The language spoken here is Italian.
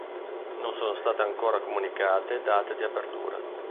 Non sono state ancora comunicate date di apertura.